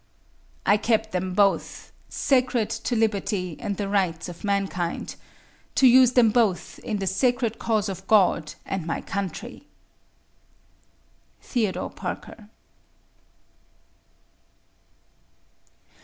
I keep them both "Sacred to Liberty and the Rights of Mankind," to use them both "In the Sacred Cause of God and my Country." THEODORE PARKER.